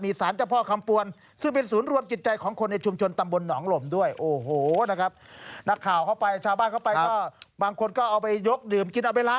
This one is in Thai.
นี่ครับเป็นน้ำศักดิ์สิทธิ์ครับนะครับบ่อน้ำศักดิ์สิทธิ์ครับอืม